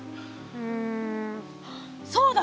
うんそうだ！